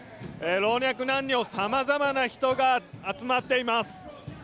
老若男女、様々な人が集まっています。